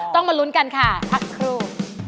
ต้องมาลุ้นกันค่ะพักครู